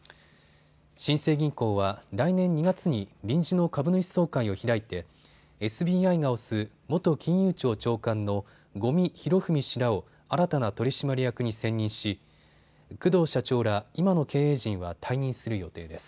新生銀行は来年２月に臨時の株主総会を開いてＳＢＩが推す元金融庁長官の五味廣文氏らを新たな取締役に選任し工藤社長ら今の経営陣は退任する予定です。